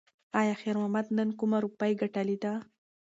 ایا خیر محمد نن کومه روپۍ ګټلې ده؟